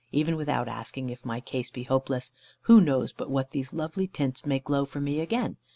Even without asking if my case be hopeless! Who knows but what these lovely tints may glow for me again?